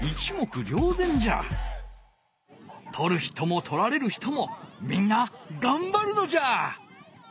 とる人もとられる人もみんながんばるのじゃ！